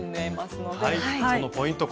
そのポイント